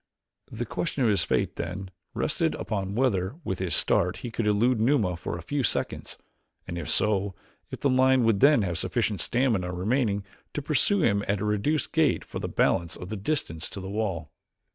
The question of his fate, then, rested upon whether, with his start he could elude Numa for a few seconds; and, if so, if the lion would then have sufficient stamina remaining to pursue him at a reduced gait for the balance of the distance to the wall.